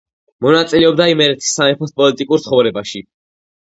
მონაწილეობდა იმერეთის სამეფოს პოლიტიკურ ცხოვრებაში.